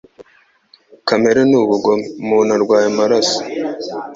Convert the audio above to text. Kamere ni ubugome, umuntu arwaye amaraso ':